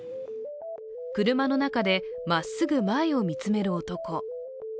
車の中でまっすぐ前を見つめる男。